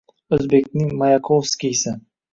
Oʻzbekning Mayakovskiysi